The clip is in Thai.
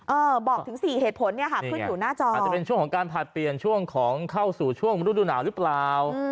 บอกถึงสี่เหตุผลเนี่ยค่ะขึ้นอยู่หน้าจออาจจะเป็นช่วงของการผลัดเปลี่ยนช่วงของเข้าสู่ช่วงฤดูหนาวหรือเปล่า